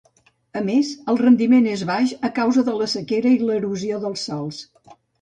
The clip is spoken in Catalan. A més, el rendiment és baix a causa de la sequera i l'erosió dels sòls.